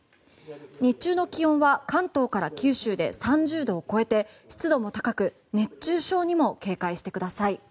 日中の気温は関東から九州で３０度を超えて、湿度も高く熱中症にも警戒してください。